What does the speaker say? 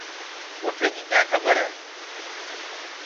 اوٹھے کی کیا کھٻر ہے